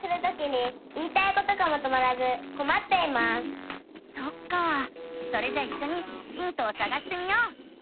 わたしはそっかあそれじゃあいっしょにヒントをさがしてみよう！